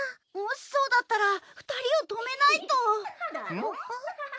もしそうだったら２人を止めないと。